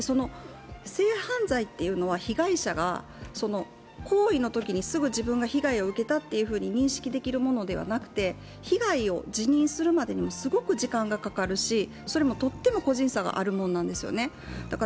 性犯罪というのは被害者が、行為のときに、すぐ自分が被害を受けたというふうに認識できるものではなくて、被害を自認するまでにすごく時間がかかるし、それもとても個人差があるものなんですよね。